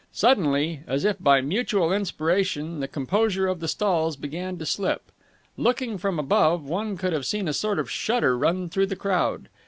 Suddenly, as if by mutual inspiration, the composure of the stalls began to slip. Looking from above, one could have seen a sort of shudder run through the crowd.